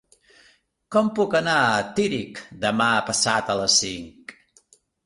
Com puc anar a Tírig demà passat a les cinc?